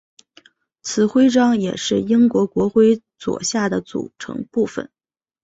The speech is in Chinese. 此徽章也是英国国徽左下的组成部分。